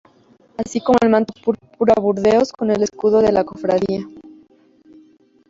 Así como el manto púrpura-burdeos con el escudo de la Cofradía.